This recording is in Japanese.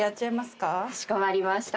かしこまりました。